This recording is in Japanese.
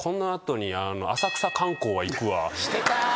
してた。